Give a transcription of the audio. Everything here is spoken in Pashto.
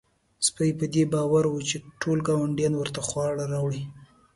سپی په دې باور و چې ټول ګاونډیان ورته خواړه راوړي.